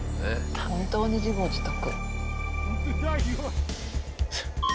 本当に自業自得。